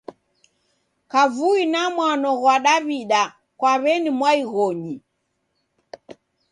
Kavui na mwano ghwa Daw'ida kwa w'eni mwaighonyi.